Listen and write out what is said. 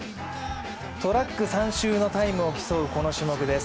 トラック３周のタイムを競うこの種目です。